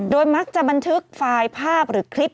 มักจะบันทึกไฟล์ภาพหรือคลิป